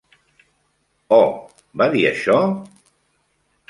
Oh, va dir això?